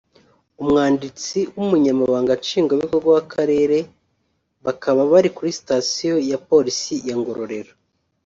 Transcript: umwanditsi w’Umunyamabanga Nshingwabikorwa w’akarere bakaba bari kuri sitasiyo ya polisi ya Ngororero